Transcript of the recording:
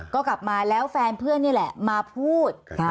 ก็กลับมาแล้วแฟนเพื่อนนี่แหละมาพูด